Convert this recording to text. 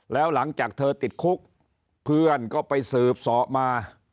แล้วหลังจากเธอติดคุกเพื่อนก็ไปสืบสอบมา